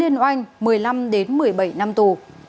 một mươi năm một mươi bảy năm tù